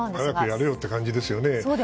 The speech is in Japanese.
早くやれよって感じですよね。